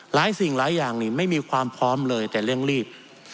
สิ่งหลายอย่างนี่ไม่มีความพร้อมเลยแต่เร่งรีบ